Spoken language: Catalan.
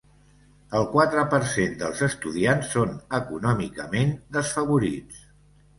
El quatre per cent dels estudiants són econòmicament desfavorits.